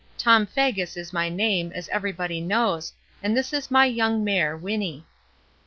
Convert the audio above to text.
Tom Faggus is my name, as everybody knows, and this is my young mare, Winnie."